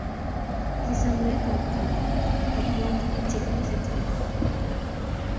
Kisom nyoetab gat akomwoi tuguk che kitestai